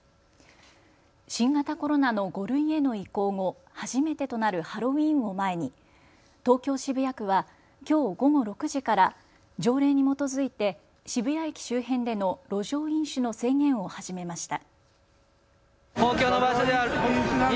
新型コロナの５類への移行後、初めてとなるハロウィーンを前に東京渋谷区はきょう午後６時から条例に基づいて渋谷駅周辺での路上飲酒の制限を始めました。